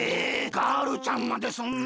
ガールちゃんまでそんな。